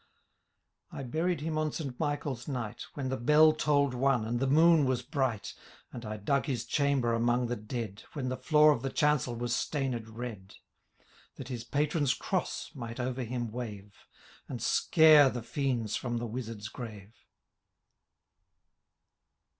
I huried him on St. MichaePs night. When the bell toU'd one, and the moon was bright And I dug his chamber among the dead. When the floor of the chancel was stained red. That his patron^s cross might over him wave. And scare the fiends from the Wizard's grave.